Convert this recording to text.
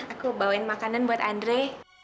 aku bawain makanan buat andre